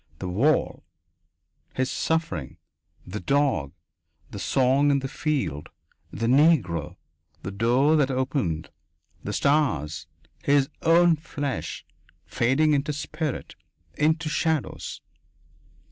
The "wall." His suffering. The dog. The song in the field. The Negro. The door that opened. The stars. His own flesh, fading into spirit, into shadows....